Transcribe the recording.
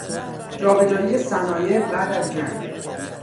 جابجایی صنایع بعد از جنگ